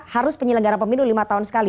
harus penyelenggara pemilu lima tahun sekali